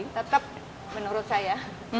tetap menurut saya